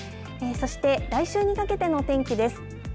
そして来週にかけての天気です。